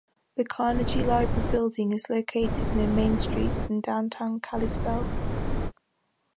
The Carnegie Library Building is located near Main Street in downtown Kalispell.